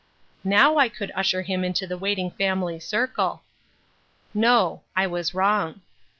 Now I could usher him into the waiting family circle. No. I was wrong.